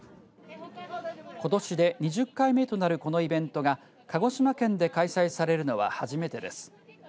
ことしで２０回目となるこのイベントが鹿児島県で開催されるのは初めてです。